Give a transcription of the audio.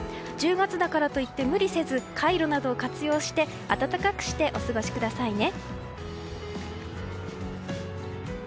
１０月だからといって無理せずカイロなどを活用して暖かくしてお過ごしくださいね。